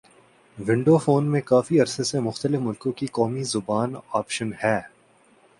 window phone میں کافی عرصے سے مختلف ملکوں کی قومی زبان آپشن ہے